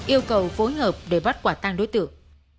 yêu cầu phối hợp để bắt quả tăng đối tượng